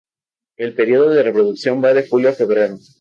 El período de reproducción va de julio a febrero.